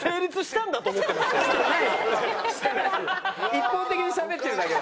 一方的にしゃべってるだけ。